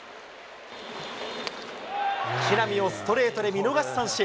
木浪をストレートで見逃し三振。